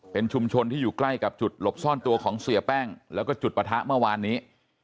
เป็นชุมชนที่อยู่ใกล้กับจุดหลบซ่อนตัวของเสียแป้งแล้วก็จุดปะทะเมื่อวานนี้